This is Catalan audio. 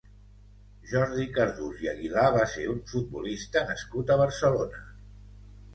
Jordi Cardús i Aguilar va ser un futbolista nascut a Barcelona.